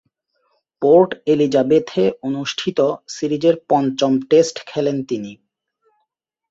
Port এলিজাবেথে অনুষ্ঠিত সিরিজের পঞ্চম টেস্ট খেলেন তিনি।